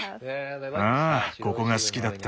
ああここが好きだった。